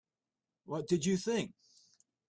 What did you think?